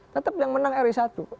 tetap yang menang ri satu